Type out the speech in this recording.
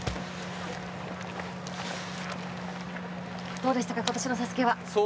どうでしたか、今年のＳＡＳＵＫＥは？